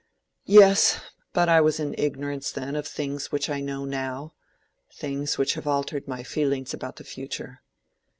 "Yes; but I was in ignorance then of things which I know now—things which have altered my feelings about the future.